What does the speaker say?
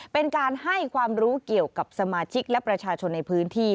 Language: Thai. เป็นการให้ความรู้เกี่ยวกับสมาชิกและประชาชนในพื้นที่